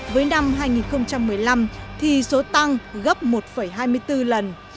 với năm hai nghìn một mươi năm thì số tăng gấp một hai mươi bốn lần